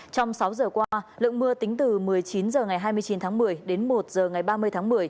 trong sáu giờ qua lượng mưa tính từ một mươi chín h ngày hai mươi chín tháng một mươi đến một h ngày ba mươi tháng một mươi